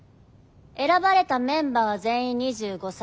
選ばれたメンバーは全員２５才以下。